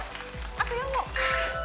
あと４問。